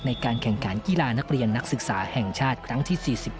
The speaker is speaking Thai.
ในการแข่งขันกีฬานักเรียนนักศึกษาแห่งชาติครั้งที่๔๑